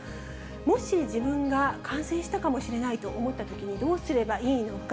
もし、自分が感染したかもしれないと思ったときにどうすればいいのか。